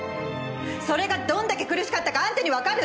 それがどんだけ苦しかったかあんたにわかる！？